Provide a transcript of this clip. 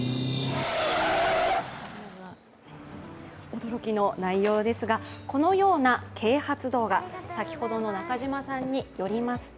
驚きの内容ですが、このような啓発動画先ほどの中島さんによりますと